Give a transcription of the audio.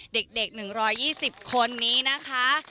เด็ก๑๒๐คนนี้นะคะ